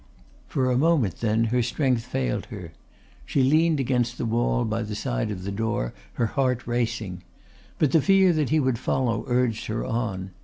For a moment then her strength failed her; she leaned against the wall by the side of the door, her heart racing. But the fear that he would follow urged her on.